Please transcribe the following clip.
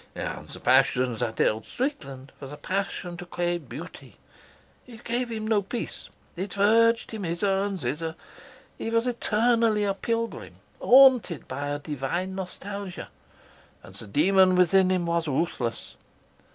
"And the passion that held Strickland was a passion to create beauty. It gave him no peace. It urged him hither and thither. He was eternally a pilgrim, haunted by a divine nostalgia, and the demon within him was ruthless.